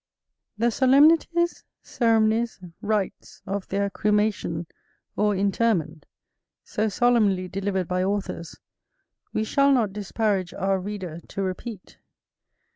THE solemnities, ceremonies, rites of their cremation or interment, so solemnly delivered by authors, we shall not disparage our reader to repeat.